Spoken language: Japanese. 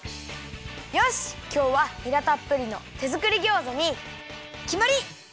よしきょうはにらたっぷりの手作りギョーザにきまり！